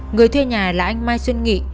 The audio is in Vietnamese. người thuê nhà là anh mai xuân nghị